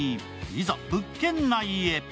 いざ物件内へ。